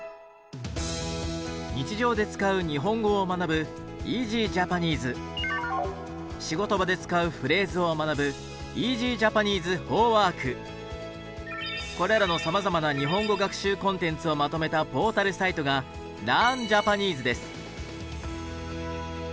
日常で使う日本語を学ぶ仕事場で使うフレーズを学ぶこれらのさまざまな日本語学習コンテンツをまとめたポータルサイトが「ＬｅａｒｎＪａｐａｎｅｓｅ」です。